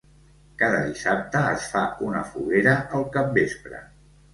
Cada dissabte es fa una foguera al capvespre.